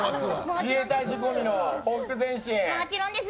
自衛隊仕込みのほふく前進。